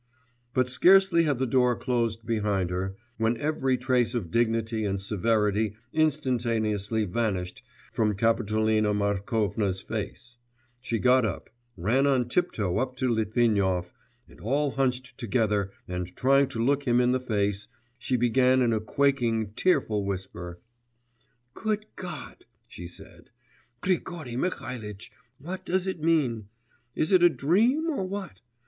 But scarcely had the door closed behind her, when every trace of dignity and severity instantaneously vanished from Kapitolina Markovna's face; she got up, ran on tiptoe up to Litvinov, and all hunched together and trying to look him in the face, she began in a quaking tearful whisper: 'Good God,' she said, 'Grigory Mihalitch, what does it mean? is it a dream or what?